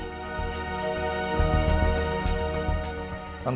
aduh makasih ya mbak anja